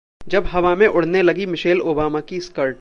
जब हवा में उड़ने लगी मिशेल ओबामा की स्कर्ट